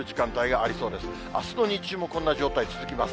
あすの日中もこんな状態、続きます。